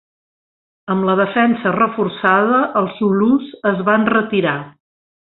Amb la defensa reforçada, els zulús es van retirar.